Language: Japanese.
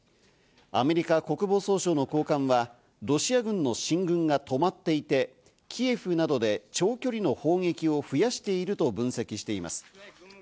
アメリカ国防総省の高官はロシア軍の進軍が止まっていて、キエフなどで長距離の砲撃を増やしていると分析しています。